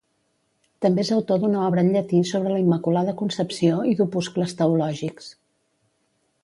També és autor d'una obra en llatí sobre la Immaculada Concepció i d'opuscles teològics.